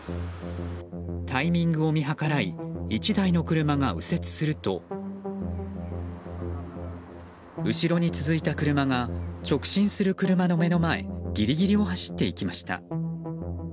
タイミングを見計らい１台の車が右折すると後ろに続いた車が直進する車の目の前ギリギリを走っていきました。